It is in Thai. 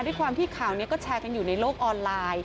ด้วยความที่ข่าวนี้ก็แชร์กันอยู่ในโลกออนไลน์